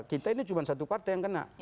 kita ini cuma satu partai yang kena